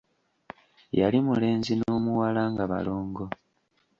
Yali mulenzi n'omuwala nga balongo.